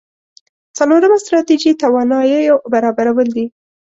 څلورمه ستراتيژي تواناییو برابرول دي.